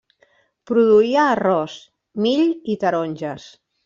Produïa arròs, mill i taronges.